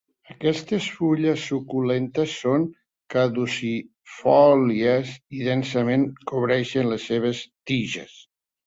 Aquestes fulles suculentes són caducifòlies i densament cobreixen les seves tiges.